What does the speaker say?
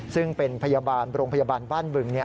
ซึ่งเป็นพยาบาลโรงพยาบาลบ้านบึง